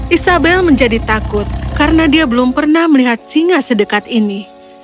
isabel menjadi takut karena dia belum pernah melihat singa sedekat ini